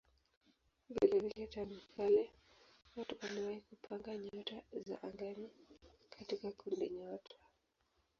Vilevile tangu kale watu waliwahi kupanga nyota za angani katika kundinyota.